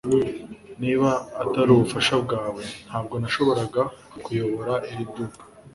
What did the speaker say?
Niba atari ubufasha bwawe, ntabwo nashoboraga kuyobora iri duka.